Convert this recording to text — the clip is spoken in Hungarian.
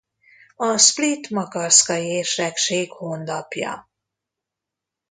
A split-makarskai érsekség honlapja